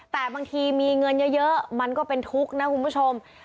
แต่บางทีมีเงินเยอะมันก็เป็นทุกข์นะคุณผู้ชม